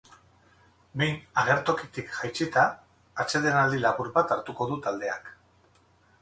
Behin agertokitik jaitsita, atsedenaldi labur bat hartuko du taldeak.